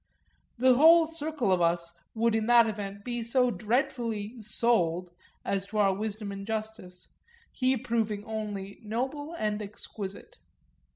The whole circle of us would in that event be so dreadfully "sold," as to our wisdom and justice, he proving only noble and exquisite.